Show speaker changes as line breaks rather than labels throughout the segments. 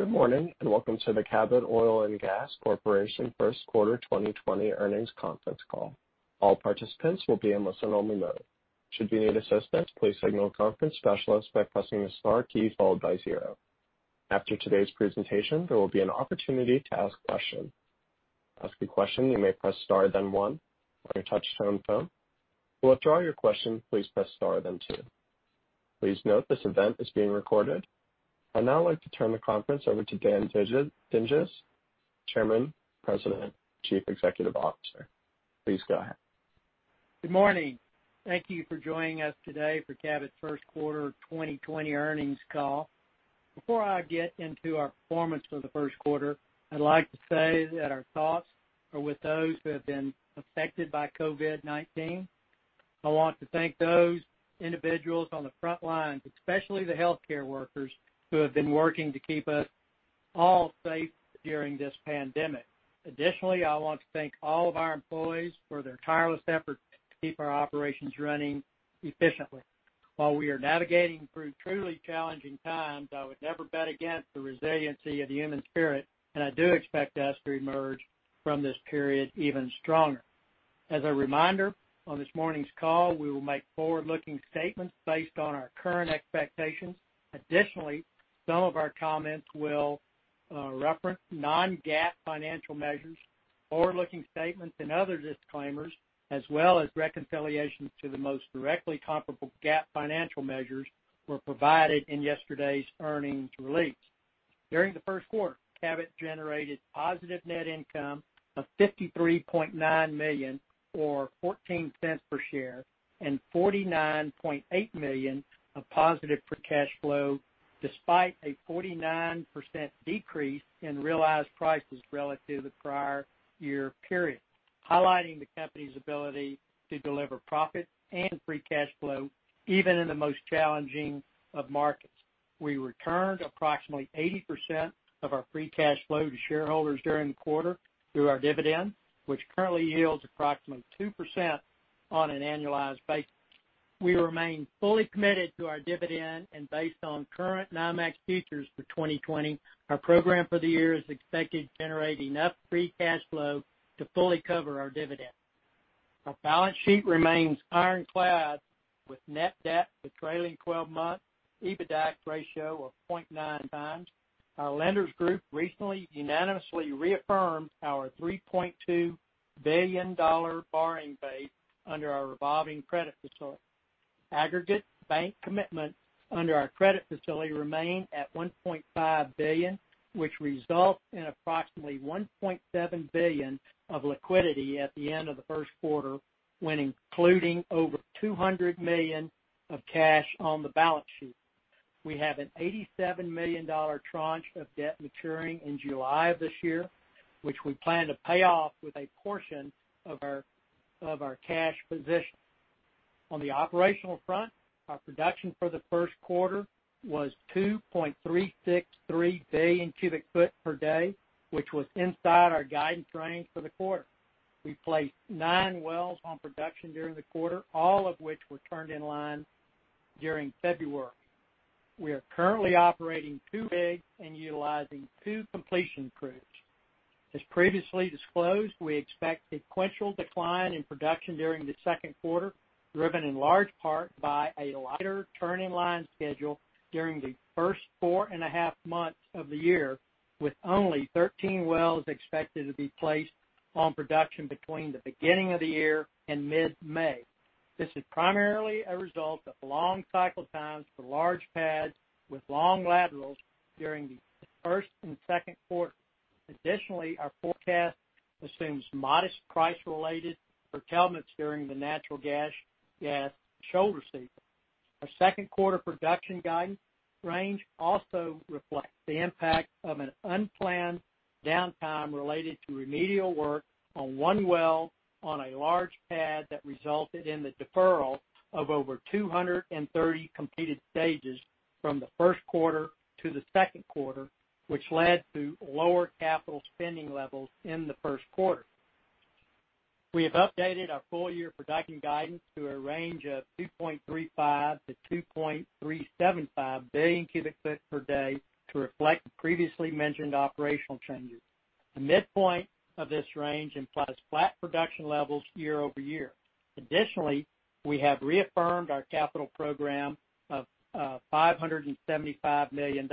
Good morning, welcome to the Cabot Oil & Gas Corporation first quarter 2020 earnings conference call. All participants will be in listen-only mode. Should you need assistance, please signal a conference specialist by pressing the star key followed by zero. After today's presentation, there will be an opportunity to ask questions. To ask a question, you may press star, then one on your touch-tone phone. To withdraw your question, please press star, then two. Please note this event is being recorded. I'd now like to turn the conference over to Dan Dinges, Chairman, President, Chief Executive Officer. Please go ahead.
Good morning. Thank you for joining us today for Cabot's first quarter 2020 earnings call. Before I get into our performance for the first quarter, I'd like to say that our thoughts are with those who have been affected by COVID-19. I want to thank those individuals on the front lines, especially the healthcare workers, who have been working to keep us all safe during this pandemic. Additionally, I want to thank all of our employees for their tireless efforts to keep our operations running efficiently. While we are navigating through truly challenging times, I would never bet against the resiliency of the human spirit, and I do expect us to emerge from this period even stronger. As a reminder, on this morning's call, we will make forward-looking statements based on our current expectations. Additionally, some of our comments will reference non-GAAP financial measures. Forward-looking statements and other disclaimers, as well as reconciliations to the most directly comparable GAAP financial measures, were provided in yesterday's earnings release. During the first quarter, Cabot generated positive net income of $53.9 million, or $0.14 per share, and $49.8 million of positive free cash flow despite a 49% decrease in realized prices relative to the prior year period, highlighting the company's ability to deliver profit and free cash flow even in the most challenging of markets. We returned approximately 80% of our free cash flow to shareholders during the quarter through our dividend, which currently yields approximately 2% on an annualized basis. We remain fully committed to our dividend, based on current NYMEX futures for 2020, our program for the year is expected to generate enough free cash flow to fully cover our dividend. Our balance sheet remains ironclad, with net debt for trailing 12-month EBITDA ratio of 0.9x. Our lenders group recently unanimously reaffirmed our $3.2 billion borrowing base under our revolving credit facility. Aggregate bank commitments under our credit facility remain at $1.5 billion, which results in approximately $1.7 billion of liquidity at the end of the first quarter, when including over $200 million of cash on the balance sheet. We have an $87 million tranche of debt maturing in July of this year, which we plan to pay off with a portion of our cash position. On the operational front, our production for the first quarter was 2.363 billion cubic foot per day, which was inside our guidance range for the quarter. We placed nine wells on production during the quarter, all of which were turned in line during February. We are currently operating two rigs and utilizing two completion crews. As previously disclosed, we expect sequential decline in production during the second quarter, driven in large part by a lighter turn-in-line schedule during the first four and a half months of the year, with only 13 wells expected to be placed on production between the beginning of the year and mid-May. This is primarily a result of long cycle times for large pads with long laterals during the first and second quarter. Additionally, our forecast assumes modest price-related curtailments during the natural gas shoulder season. Our second quarter production guidance range also reflects the impact of an unplanned downtime related to remedial work on one well on a large pad that resulted in the deferral of over 230 completed stages from the first quarter to the second quarter, which led to lower capital spending levels in the first quarter. We have updated our full-year production guidance to a range of 2.35 billion-2.375 billion cubic foot per day to reflect the previously mentioned operational changes. The midpoint of this range implies flat production levels year-over-year. Additionally, we have reaffirmed our capital program of $575 million.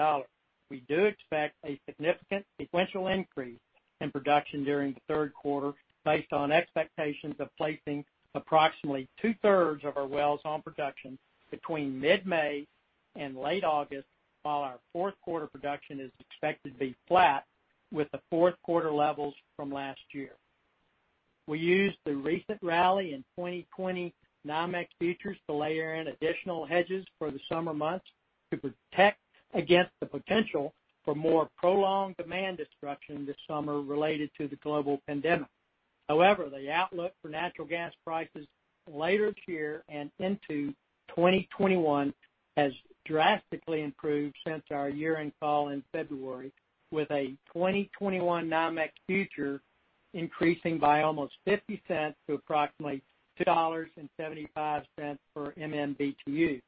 We do expect a significant sequential increase in production during the third quarter based on expectations of placing approximately two-thirds of our wells on production between mid-May and late August, while our fourth quarter production is expected to be flat with the fourth quarter levels from last year. We used the recent rally in 2020 NYMEX futures to layer in additional hedges for the summer months to protect against the potential for more prolonged demand destruction this summer related to the global pandemic. However, the outlook for natural gas prices later this year and into 2021 has drastically improved since our year-end call in February, with a 2021 NYMEX future increasing by almost $0.50 to approximately $2.75 per MMBtu.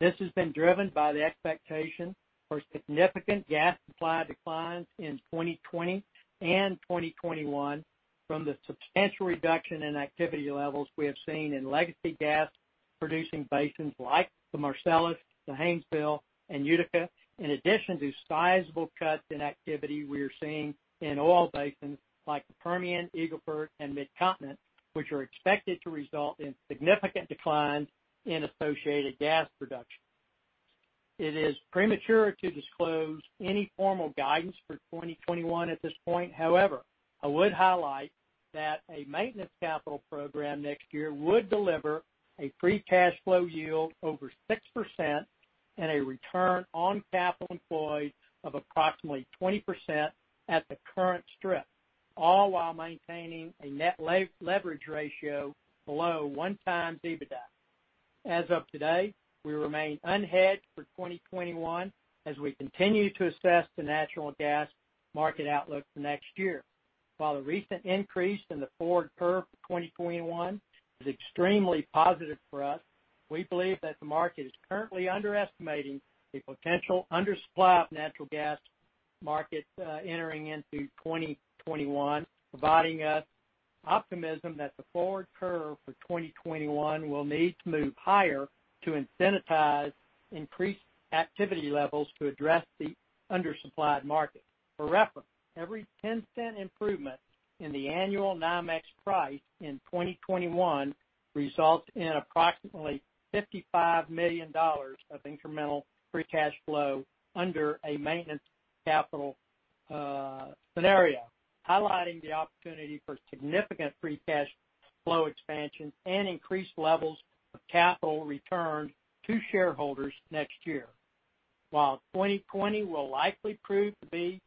This has been driven by the expectation for significant gas supply declines in 2020 and 2021 from the substantial reduction in activity levels we have seen in legacy gas-producing basins like the Marcellus, the Haynesville, and Utica, in addition to sizable cuts in activity we are seeing in oil basins like the Permian, Eagle Ford, and Midcontinent, which are expected to result in significant declines in associated gas production. It is premature to disclose any formal guidance for 2021 at this point. However, I would highlight that a maintenance capital program next year would deliver a free cash flow yield over 6% and a return on capital employed of approximately 20% at the current strip, all while maintaining a net leverage ratio below one times EBITDA. As of today, we remain unhedged for 2021 as we continue to assess the natural gas market outlook for next year. While the recent increase in the forward curve for 2021 is extremely positive for us, we believe that the market is currently underestimating the potential undersupply of natural gas markets entering into 2021, providing us optimism that the forward curve for 2021 will need to move higher to incentivize increased activity levels to address the undersupplied market. For reference, every $0.01 improvement in the annual NYMEX price in 2021 results in approximately $55 million of incremental free cash flow under a maintenance capital scenario, highlighting the opportunity for significant free cash flow expansion and increased levels of capital returned to shareholders next year. While 2020 will likely prove to be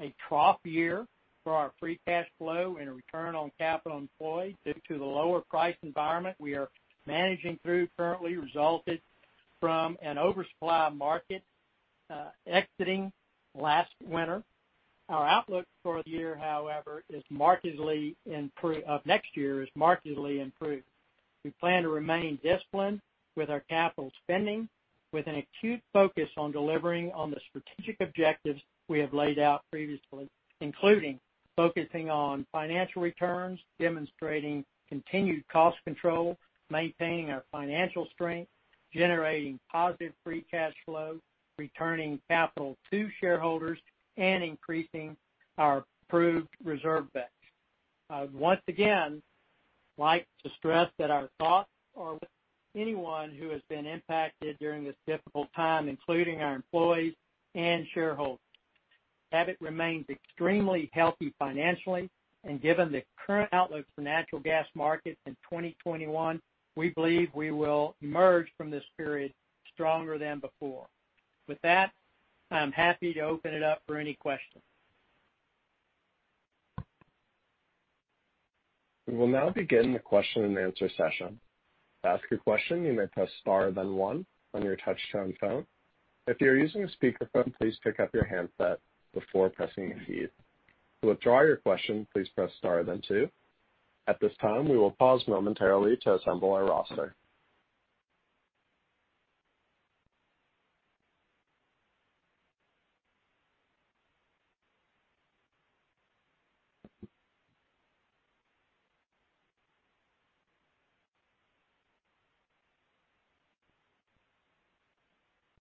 a trough year for our free cash flow and return on capital employed due to the lower price environment we are managing through currently resulted from an oversupply market exiting last winter, our outlook for next year is markedly improved. We plan to remain disciplined with our capital spending, with an acute focus on delivering on the strategic objectives we have laid out previously, including focusing on financial returns, demonstrating continued cost control, maintaining our financial strength, generating positive free cash flow, returning capital to shareholders, and increasing our proved reserve base. I would once again like to stress that our thoughts are with anyone who has been impacted during this difficult time, including our employees and shareholders. Cabot remains extremely healthy financially, and given the current outlook for natural gas markets in 2021, we believe we will emerge from this period stronger than before. With that, I'm happy to open it up for any questions.
We will now begin the question and answer session. To ask a question, you may press star then one on your touchtone phone. If you're using a speakerphone, please pick up your handset before pressing your keys. To withdraw your question, please press star then two. At this time, we will pause momentarily to assemble our roster.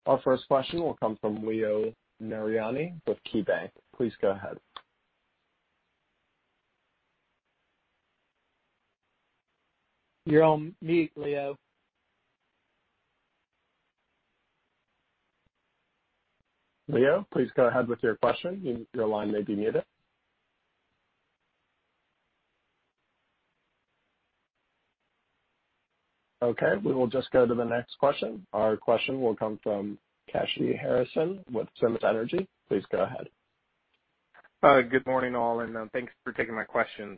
Our first question will come from Leo Mariani with KeyBanc. Please go ahead.
You're on mute, Leo.
Leo, please go ahead with your question. Your line may be muted. Okay, we will just go to the next question. Our question will come from Kashy Harrison with Simmons Energy. Please go ahead.
Good morning, all, and thanks for taking my question.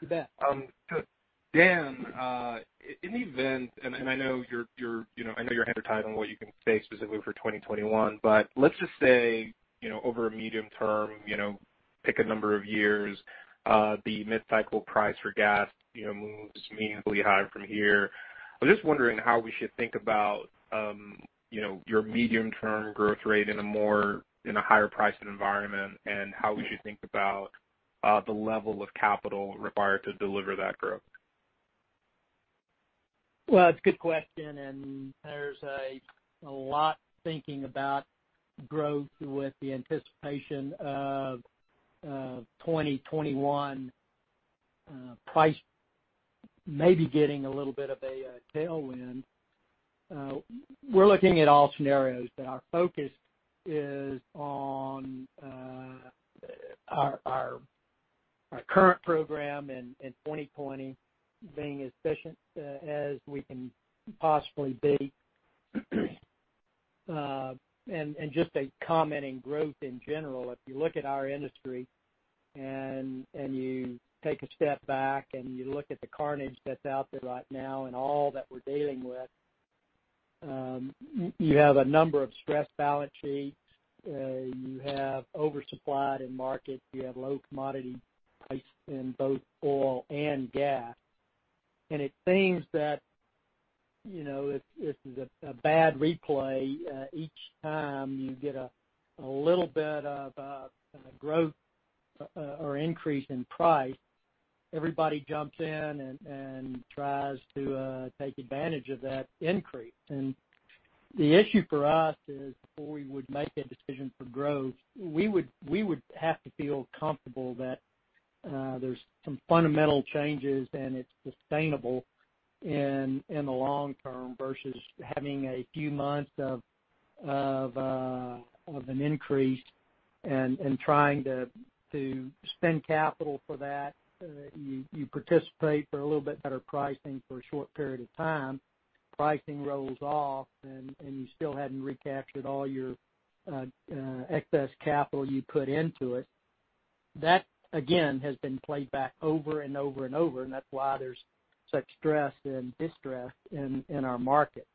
You bet.
Dan, in the event, and I know you're hand-tied on what you can say specifically for 2021, but let's just say, over a medium term, pick a number of years, the mid-cycle price for gas moves meaningfully higher from here. I'm just wondering how we should think about your medium-term growth rate in a higher pricing environment and how we should think about the level of capital required to deliver that growth.
Well, that's a good question. There's a lot thinking about growth with the anticipation of 2021 price maybe getting a little bit of a tailwind. We're looking at all scenarios, our focus is on our current program in 2020 being as efficient as we can possibly be. Just a comment in growth in general, if you look at our industry and you take a step back and you look at the carnage that's out there right now and all that we're dealing with. You have a number of stressed balance sheets. You have oversupplied in market. You have low commodity price in both oil and gas. It seems that if this is a bad replay, each time you get a little bit of growth or increase in price, everybody jumps in and tries to take advantage of that increase. The issue for us is before we would make a decision for growth, we would have to feel comfortable that there's some fundamental changes, and it's sustainable in the long term versus having a few months of an increase and trying to spend capital for that. You participate for a little bit better pricing for a short period of time, pricing rolls off, and you still haven't recaptured all your excess capital you put into it. That, again, has been played back over and over and over, and that's why there's such stress and distress in our market.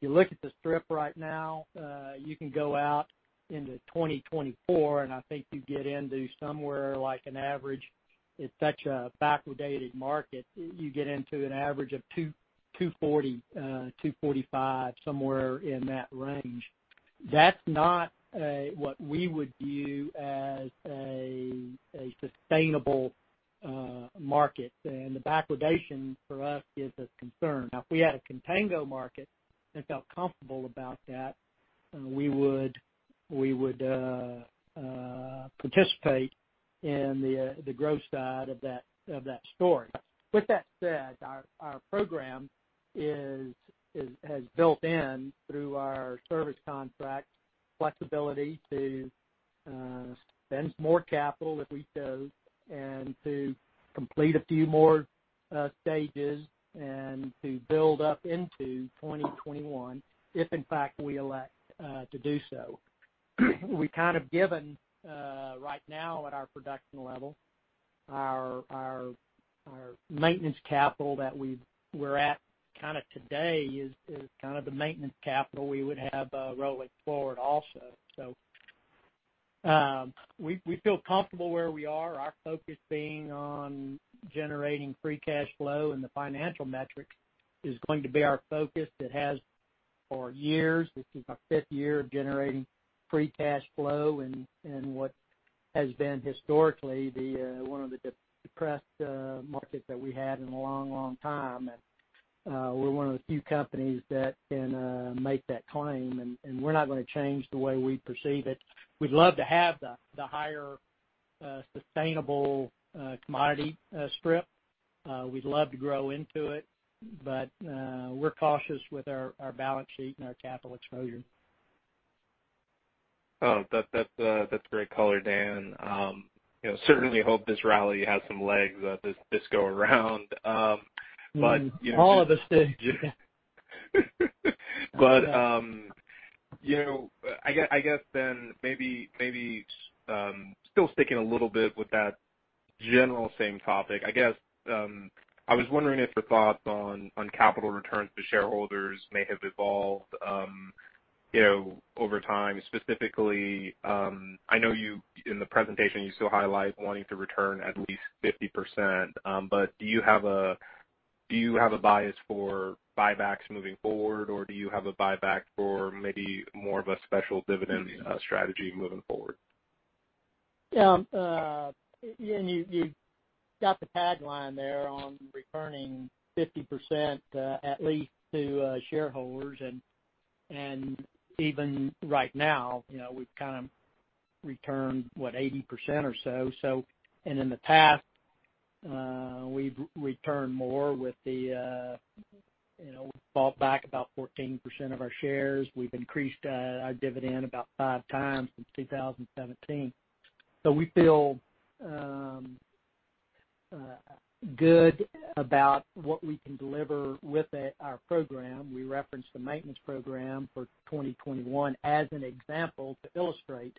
If you look at the strip right now, you can go out into 2024, and I think you get into somewhere like an average. It's such a backwardated market, you get into an average of $2.40, $2.45, somewhere in that range. That's not what we would view as a sustainable market. The backwardation for us is a concern. Now, if we had a contango market and felt comfortable about that, we would participate in the growth side of that story. With that said, our program has built in through our service contract flexibility to spend some more capital if we chose, and to complete a few more stages, and to build up into 2021 if in fact we elect to do so. We're kind of given right now at our production level, our maintenance capital that we're at kind of today is kind of the maintenance capital we would have rolling forward also. We feel comfortable where we are, our focus being on generating free cash flow, and the financial metric is going to be our focus. It has for years. This is our fifth year of generating free cash flow in what has been historically one of the depressed markets that we had in a long, long time. We're one of the few companies that can make that claim, and we're not going to change the way we perceive it. We'd love to have the higher sustainable commodity strip. We'd love to grow into it, but we're cautious with our balance sheet and our capital exposure.
That's great color, Dan. Certainly hope this rally has some legs this go around.
All of us do.
I guess then maybe still sticking a little bit with that general same topic. I guess I was wondering if your thoughts on capital returns to shareholders may have evolved over time. Specifically, I know you in the presentation, you still highlight wanting to return at least 50%. Do you have a bias for buybacks moving forward, or do you have a buyback for maybe more of a special dividend strategy moving forward?
You got the tagline there on returning 50% at least to shareholders. Even right now we've kind of returned, what, 80% or so. In the past, we've returned more, bought back about 14% of our shares. We've increased our dividend about five times since 2017. We feel good about what we can deliver with our program. We referenced the maintenance program for 2021 as an example to illustrate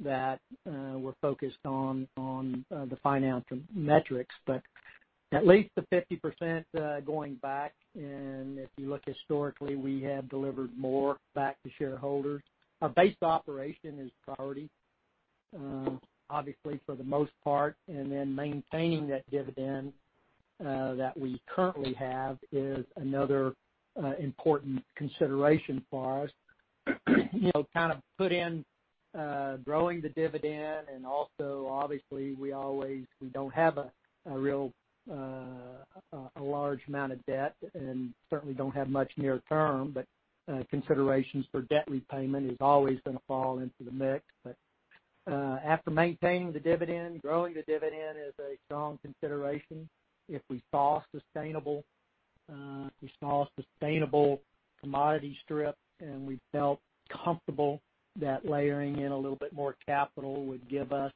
that we're focused on the financial metrics. At least the 50% going back, and if you look historically, we have delivered more back to shareholders. Our base operation is priority, obviously for the most part, and then maintaining that dividend that we currently have is another important consideration for us. Kind of put in growing the dividend. Obviously we don't have a large amount of debt and certainly don't have much near term. Considerations for debt repayment is always going to fall into the mix. After maintaining the dividend, growing the dividend is a strong consideration. If we saw a sustainable commodity strip, and we felt comfortable that layering in a little bit more capital would give us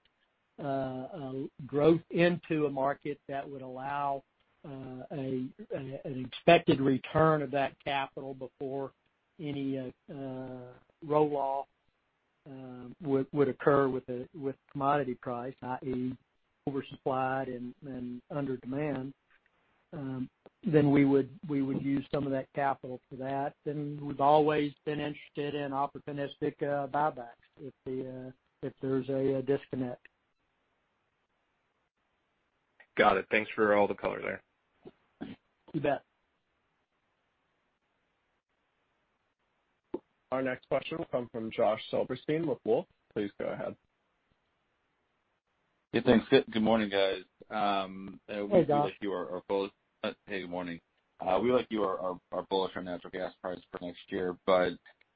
growth into a market that would allow an expected return of that capital before any roll off would occur with commodity price, i.e., oversupplied and under demand, we would use some of that capital for that. We've always been interested in opportunistic buybacks if there's a disconnect.
Got it. Thanks for all the color there.
You bet.
Our next question will come from Josh Silverstein with Wolfe. Please go ahead.
Hey, thanks. Good morning, guys.
Hey, Josh.
Hey, good morning. We, like you, are bullish on natural gas price for next year.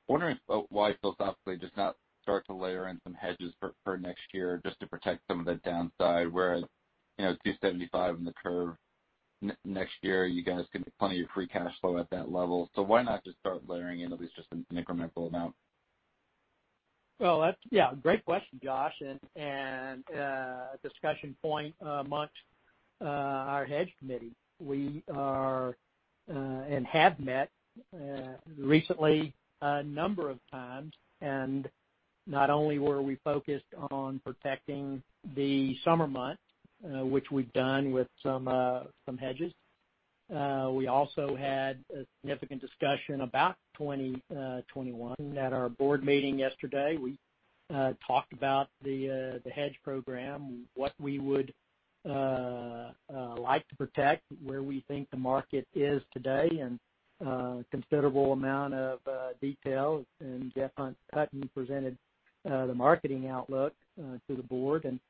Wondering why philosophically just not start to layer in some hedges for next year just to protect some of the downside, whereas, $2.75 in the curve next year, you guys can make plenty of free cash flow at that level. Why not just start layering in at least just an incremental amount?
Well, yeah. Great question, Josh, and a discussion point amongst our hedge committee. We are, and have met, recently, a number of times, and not only were we focused on protecting the summer month, which we've done with some hedges. We also had a significant discussion about 2021. At our board meeting yesterday, we talked about the hedge program, what we would like to protect, where we think the market is today, and a considerable amount of detail. Jeff Hutton presented the marketing outlook to the board and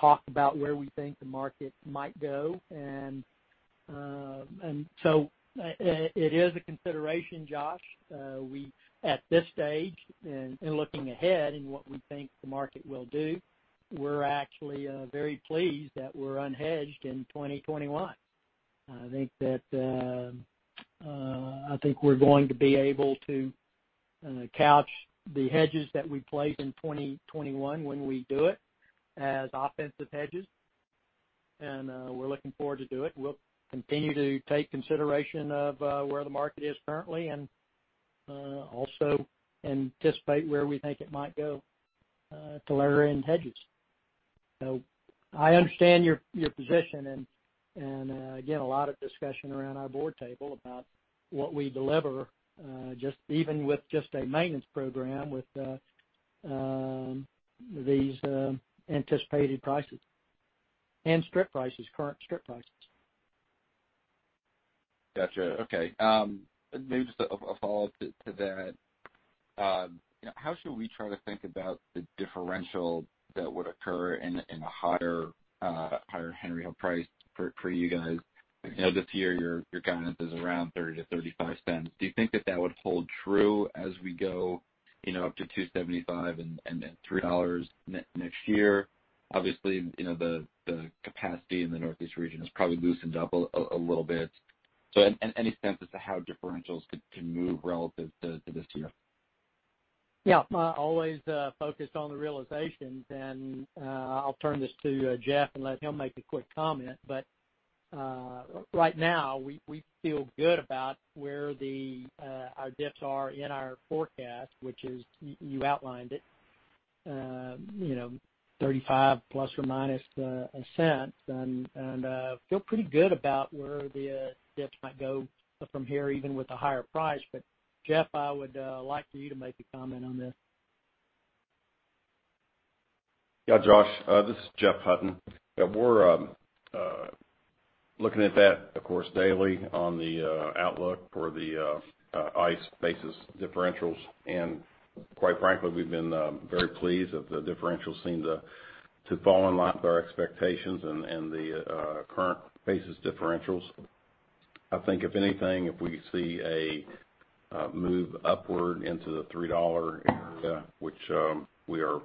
talked about where we think the market might go. It is a consideration, Josh. We, at this stage, in looking ahead in what we think the market will do, we're actually very pleased that we're unhedged in 2021. I think we're going to be able to couch the hedges that we place in 2021 when we do it as offensive hedges. We're looking forward to do it. We'll continue to take consideration of where the market is currently and also anticipate where we think it might go to layer in hedges. I understand your position, and again, a lot of discussion around our board table about what we deliver even with just a maintenance program with these anticipated prices and strip prices, current strip prices.
Gotcha. Okay. Maybe just a follow-up to that. How should we try to think about the differential that would occur in a higher Henry Hub price for you guys? This year, your guidance is around $0.30-$0.35. Do you think that that would hold true as we go up to $2.75 and then $3 next year? Obviously, the capacity in the Northeast region has probably loosened up a little bit. Any sense as to how differentials could move relative to this year?
Yeah. Always focused on the realizations, and I'll turn this to Jeff and let him make a quick comment. Right now, we feel good about where our diffs are in our forecast, which is, you outlined it, 35 ±$0.01, and feel pretty good about where the diffs might go from here, even with a higher price. Jeff, I would like for you to make a comment on this.
Josh. This is Jeff Hutton. We're looking at that, of course, daily on the outlook for the ICE basis differentials. Quite frankly, we've been very pleased that the differentials seem to fall in line with our expectations and the current basis differentials. I think if anything, if we see a move upward into the $3 area, which we are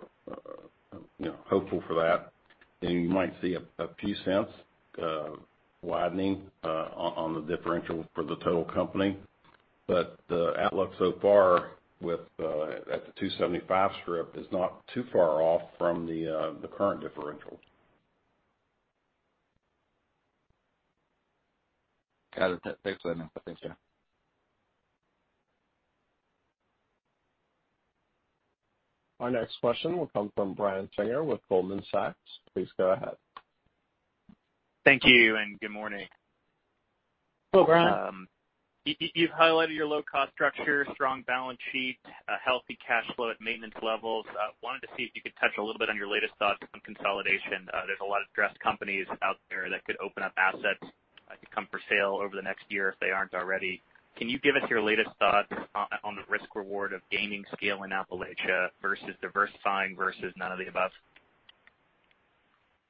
hopeful for that, then you might see a few cents widening on the differential for the total company. The outlook so far at the $2.75 strip is not too far off from the current differential.
Got it. Thanks for the input. Thanks, Jeff.
Our next question will come from Brian Singer with Goldman Sachs. Please go ahead.
Thank you, and good morning.
Hello, Brian.
You've highlighted your low-cost structure, strong balance sheet, a healthy cash flow at maintenance levels. I wanted to see if you could touch a little bit on your latest thoughts on consolidation. There's a lot of stressed companies out there that could open up assets that could come for sale over the next year if they aren't already. Can you give us your latest thoughts on the risk-reward of gaining scale in Appalachia versus diversifying versus none of the above?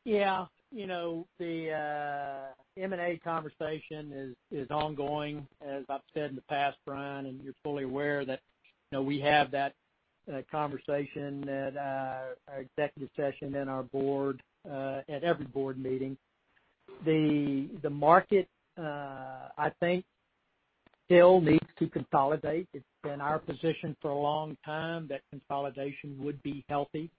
Yeah. The M&A conversation is ongoing, as I've said in the past, Brian. You're fully aware that we have that conversation at our executive session and our board at every board meeting. The market, I think, still needs to consolidate. It's been our position for a long time that consolidation would be healthy.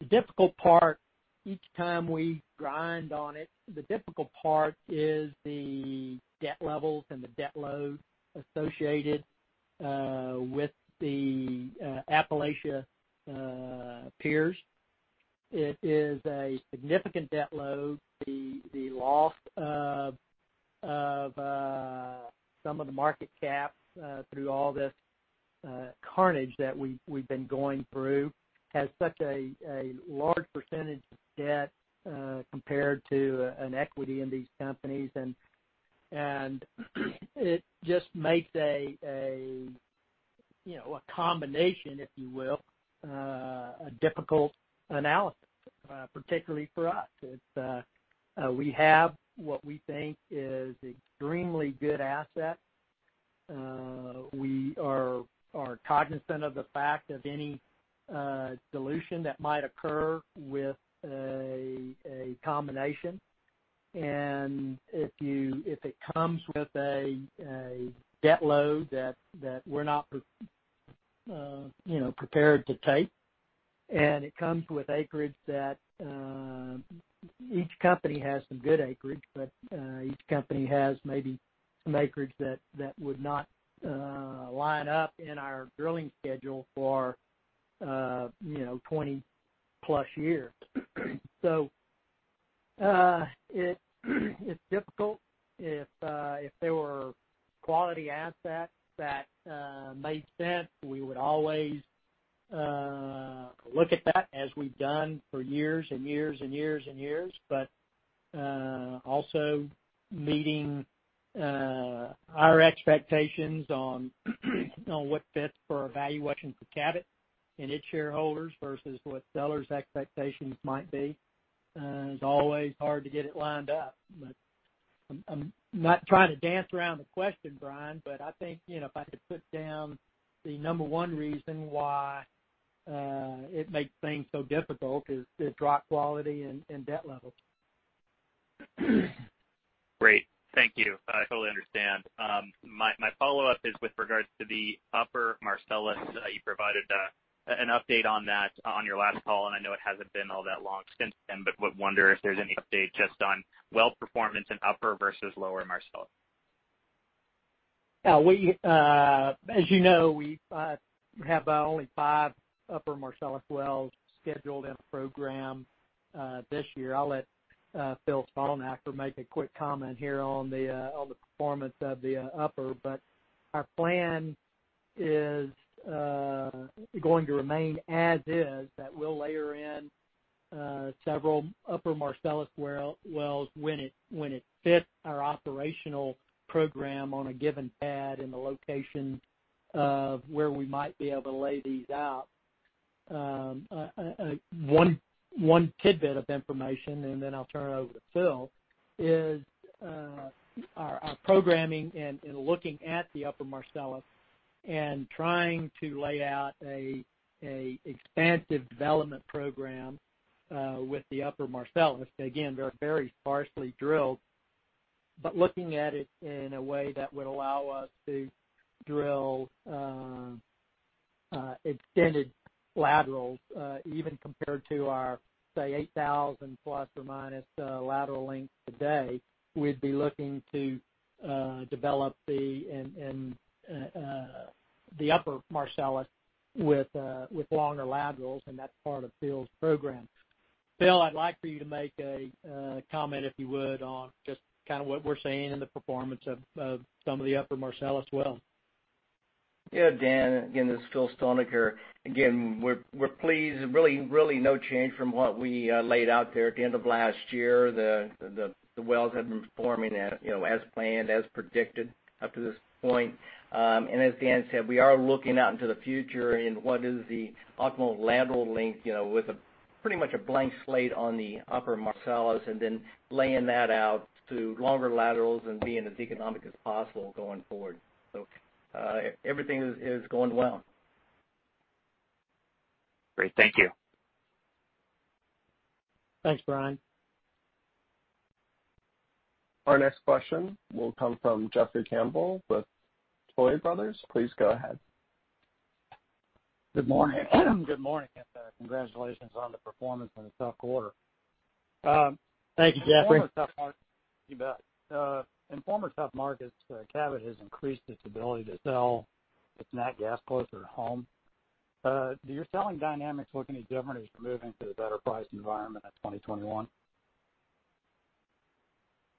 The difficult part, each time we grind on it, the difficult part is the debt levels and the debt load associated with the Appalachia peers. It is a significant debt load, the loss of some of the market cap through all this carnage that we've been going through, has such a large percentage of debt compared to an equity in these companies. It just makes a combination, if you will, a difficult analysis, particularly for us. We have what we think is extremely good assets. We are cognizant of the fact of any dilution that might occur with a combination. If it comes with a debt load that we're not prepared to take, it comes with acreage that, each company has some good acreage, but each company has maybe some acreage that would not line up in our drilling schedule for +20 years. It's difficult. If there were quality assets that made sense, we would always look at that as we've done for years and years and years and years. Also meeting our expectations on what fits for a valuation for Cabot and its shareholders versus what sellers' expectations might be is always hard to get it lined up. I'm not trying to dance around the question, Brian, but I think, if I had to put down the number one reason why it makes things so difficult is rock quality and debt levels.
Great. Thank you. I totally understand. My follow-up is with regards to the Upper Marcellus. You provided an update on that on your last call, and I know it hasn't been all that long since then, but would wonder if there's any update just on well performance in Upper versus Lower Marcellus.
Yeah. As you know, we have only five Upper Marcellus wells scheduled in the program this year. I'll let Phil Stalnaker make a quick comment here on the performance of the upper. Our plan is going to remain as is, that we'll layer in several Upper Marcellus wells when it fits our operational program on a given pad in the location of where we might be able to lay these out. One tidbit of information, and then I'll turn it over to Phil, is our programming and looking at the Upper Marcellus and trying to lay out a expansive development program with the Upper Marcellus. Again, they're very sparsely drilled. Looking at it in a way that would allow us to drill extended laterals even compared to our, say, ±8,000 lateral length today, we'd be looking to develop the Upper Marcellus with longer laterals, and that's part of Phil's program. Phil, I'd like for you to make a comment, if you would, on just what we're seeing in the performance of some of the Upper Marcellus wells.
Yeah, Dan. Again, this is Phil Stalnaker. Again, we're pleased. Really no change from what we laid out there at the end of last year. The wells have been performing as planned, as predicted up to this point. As Dan said, we are looking out into the future and what is the optimal lateral length, with a pretty much a blank slate on the Upper Marcellus, and then laying that out to longer laterals and being as economic as possible going forward. Everything is going well.
Great. Thank you.
Thanks, Brian.
Our next question will come from Jeffrey Campbell with Tuohy Brothers. Please go ahead.
Good morning.
Good morning.
Congratulations on the performance in the tough quarter.
Thank you, Jeffrey.
You bet. In former tough markets, Cabot has increased its ability to sell its nat gas closer to home. Do your selling dynamics look any different as you're moving to the better price environment of 2021?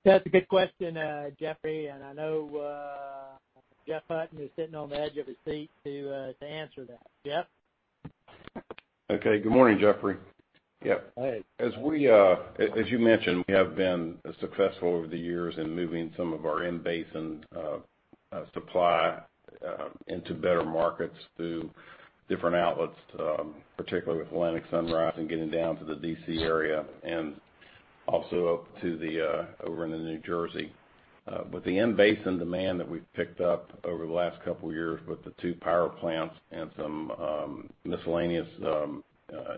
That's a good question, Jeffrey, and I know Jeff Hutton is sitting on the edge of his seat to answer that. Jeff?
Okay. Good morning, Jeffrey. Yep.
Hi.
As you mentioned, we have been successful over the years in moving some of our in-basin supply into better markets through different outlets, particularly with Atlantic Sunrise and getting down to the D.C. area and also up to over into New Jersey. With the in-basin demand that we've picked up over the last couple of years with the two power plants and some miscellaneous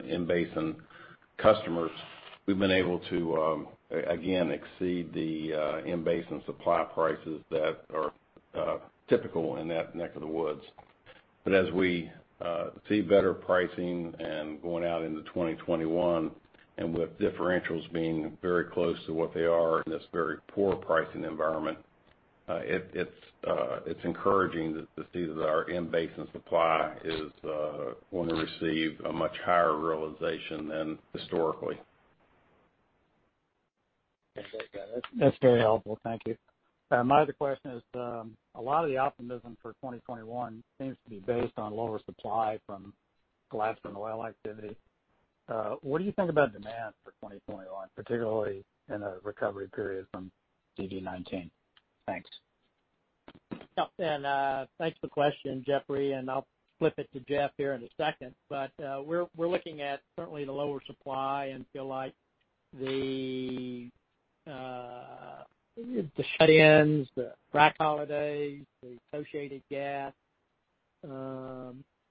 in-basin customers. We've been able to, again, exceed the in-basin supply prices that are typical in that neck of the woods. As we see better pricing and going out into 2021, and with differentials being very close to what they are in this very poor pricing environment, it's encouraging to see that our in-basin supply is going to receive a much higher realization than historically.
Okay. That's very helpful. Thank you. My other question is, a lot of the optimism for 2021 seems to be based on lower supply from gas and oil activity. What do you think about demand for 2021, particularly in a recovery period from COVID-19? Thanks.
Yep. Thanks for the question, Jeffrey, and I'll flip it to Jeff here in a second. We're looking at certainly the lower supply and feel like the shut-ins, the frac holidays, the associated gas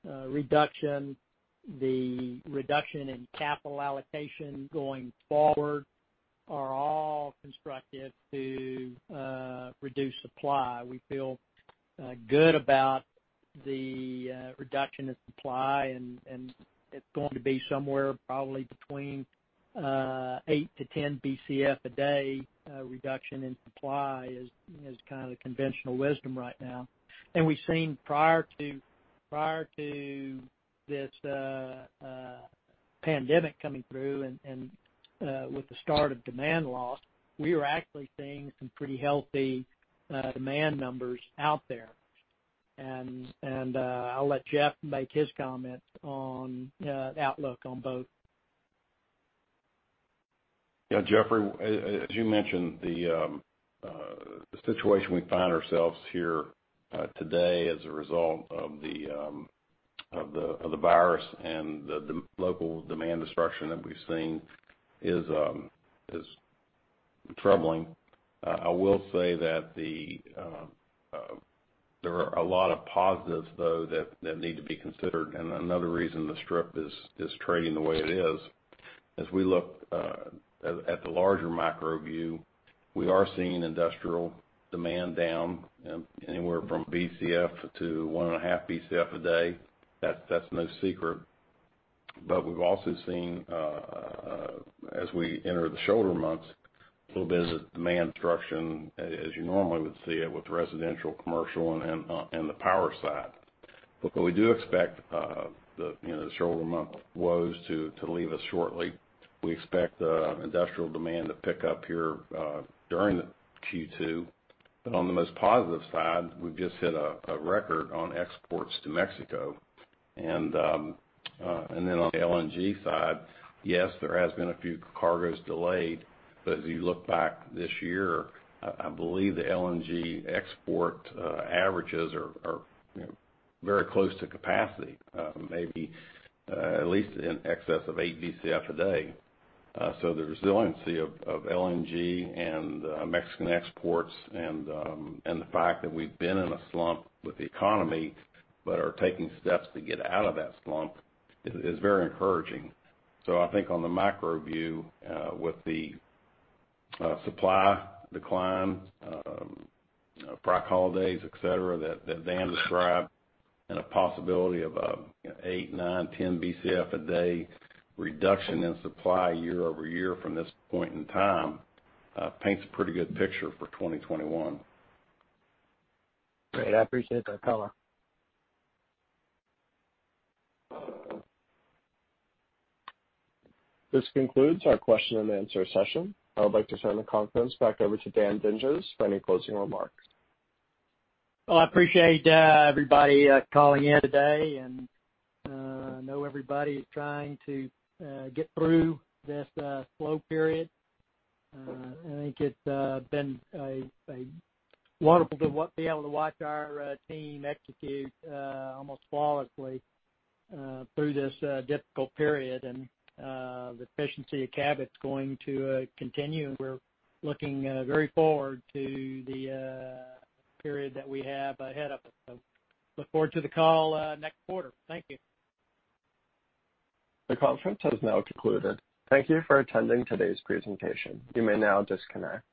reduction, the reduction in capital allocation going forward are all constructive to reduce supply. We feel good about the reduction in supply, it's going to be somewhere probably between eight to 10 BCF a day reduction in supply is kind of the conventional wisdom right now. We've seen prior to this pandemic coming through and with the start of demand loss, we were actually seeing some pretty healthy demand numbers out there. I'll let Jeff make his comment on the outlook on both.
Yeah, Jeffrey, as you mentioned, the situation we find ourselves here today as a result of the virus and the local demand destruction that we've seen is troubling. I will say that there are a lot of positives, though, that need to be considered, and another reason the strip is trading the way it is. As we look at the larger macro view, we are seeing industrial demand down anywhere from BCF to one and a half BCF a day. That's no secret. We've also seen, as we enter the shoulder months, a little bit of demand destruction as you normally would see it with residential, commercial, and the power side. We do expect the shoulder month woes to leave us shortly. We expect industrial demand to pick up here during Q2. On the most positive side, we've just hit a record on exports to Mexico. On the LNG side, yes, there has been a few cargoes delayed. If you look back this year, I believe the LNG export averages are very close to capacity, maybe at least in excess of 8 BCF a day. The resiliency of LNG and Mexican exports and the fact that we've been in a slump with the economy but are taking steps to get out of that slump is very encouraging. I think on the macro view, with the supply decline, frac holidays, et cetera, that Dan described, and a possibility of 8, 9, 10 BCF a day reduction in supply year-over-year from this point in time paints a pretty good picture for 2021.
Great. I appreciate that color.
This concludes our question-and-answer session. I would like to turn the conference back over to Dan Dinges for any closing remarks.
I appreciate everybody calling in today, and I know everybody is trying to get through this slow period. I think it's been wonderful to be able to watch our team execute almost flawlessly through this difficult period. The efficiency of Cabot is going to continue, and we're looking very forward to the period that we have ahead of us. Look forward to the call next quarter. Thank you.
The conference has now concluded. Thank you for attending today's presentation. You may now disconnect.